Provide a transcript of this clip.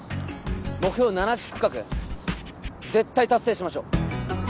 目標７０区画絶対達成しましょう！